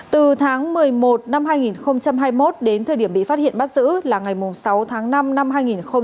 từ tháng một mươi một năm hai nghìn hai mươi một đến thời điểm bị phát hiện bắt giữ là ngày sáu tháng năm năm hai nghìn hai mươi ba